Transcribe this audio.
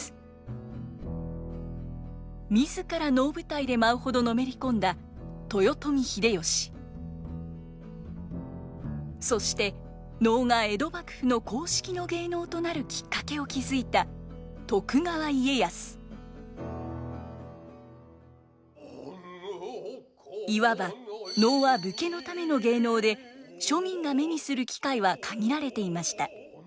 自ら能舞台で舞うほどのめり込んだそして能が江戸幕府の公式の芸能となるきっかけを築いたいわば能は庶民が目にする機会は限られていました。